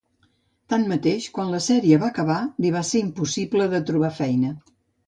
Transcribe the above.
Tanmateix, quan la sèrie va acabar, li va ser impossible de trobar feina.